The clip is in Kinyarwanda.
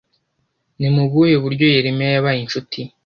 ni mu buhe buryo yeremiya yabaye inshuti